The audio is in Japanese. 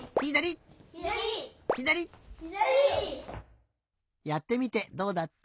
やってみてどうだった？